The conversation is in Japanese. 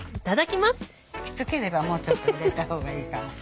キツければもうちょっと入れた方がいいかな。